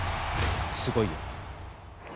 すごいよ。